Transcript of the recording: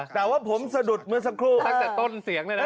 แต่ผมสะดุดเมื่อสักครู่ฮ่ากรระส่งต้นเสียงเท่ากันน่ะ